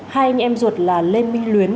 hai anh em ruột là lê minh luyến